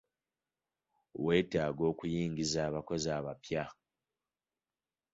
Wetaaga okuyingiza abakozi abapya.